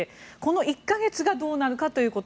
この１か月がどうなるかということ。